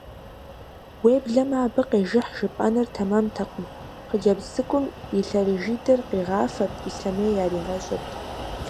Уеблэмэ, абы къежыхь жыпӀэныр тэмэмтэкъым: хъыджэбз цӀыкӀум и лъэрыжитӀыр къигъафэрт, ислъэмей яригъэщӀырт.